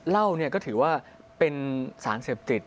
เหล้าก็ถือว่าเป็นสารเสพติด